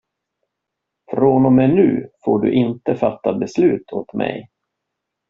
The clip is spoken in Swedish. Från och med nu får du inte fatta beslut åt mig.